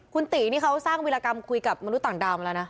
คุณตินี่เขาสร้างวิรากรรมคุยกับมนุษย์ต่างดาวมาแล้วนะ